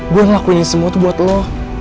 gue ngelakuin semua tuh buat lo